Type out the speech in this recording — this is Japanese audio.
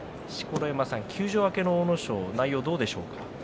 休場明けの阿武咲内容はどうでしょうか。